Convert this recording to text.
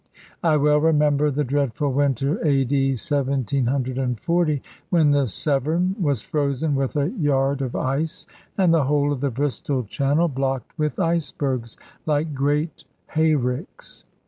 I well remember the dreadful winter A.D. 1740, when the Severn was frozen with a yard of ice, and the whole of the Bristol Channel blocked with icebergs like great hay ricks.